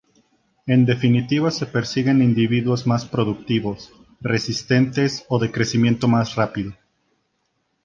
En definitiva se persiguen individuos más productivos, resistentes o de crecimiento más rápido.